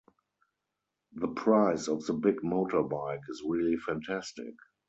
The price of the big motorbike is really fantastic.